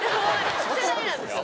世代なんですよ。